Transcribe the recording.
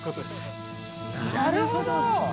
なるほど！